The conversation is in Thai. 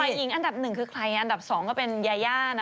หญิงอันดับหนึ่งคือใครอันดับ๒ก็เป็นยาย่านะ